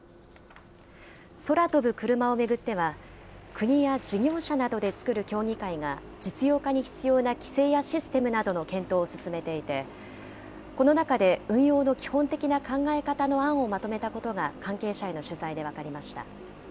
空飛ぶクルマを巡っては、国や事業者などで作る協議会が、実用化に必要な規制やシステムなどの検討を進めていて、この中で運用の基本的な考え方の案をまとめたことが関係者への取材で分かりました。